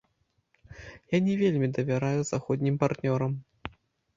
Я не вельмі давяраю заходнім партнёрам.